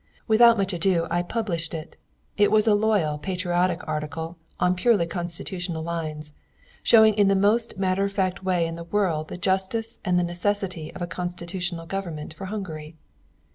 Without more ado I published it. It was a loyal, patriotic article on purely constitutional lines, showing in the most matter of fact way in the world the justice and the necessity of a constitutional government for Hungary.